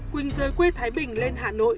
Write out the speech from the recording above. quỳnh rời quê thái bình lên hà nội